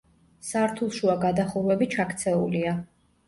სართულშუა გადახურვები ჩაქცეულია.